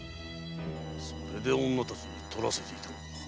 それで女たちに取らせていたのか。